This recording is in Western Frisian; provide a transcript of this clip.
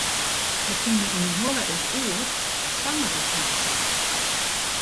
De pine yn 'e mûle is oer, it sangeret noch sa wat.